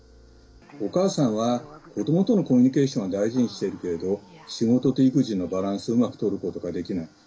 お母さんは子どもとのコミュニケーションを大事にしているけれど仕事と育児のバランスをうまくとることができない。